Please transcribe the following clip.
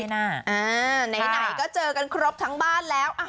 ไหนก็เจอกันครบทั้งบ้านแล้ว